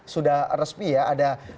sudah respi ya ada